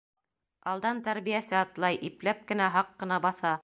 Алдан тәрбиәсе атлай, ипләп кенә, һаҡ ҡына баҫа.